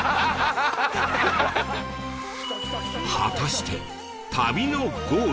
果たして旅のゴール